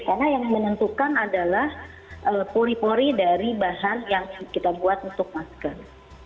karena yang menentukan adalah puri puri dari bahan yang kita buat untuk masker